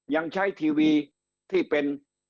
ยังใช้ทีวีที่เป็น